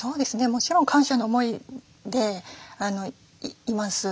もちろん感謝の思いでいます。